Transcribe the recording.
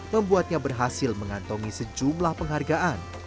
membuatnya berhasil mengantongi sejumlah penghargaan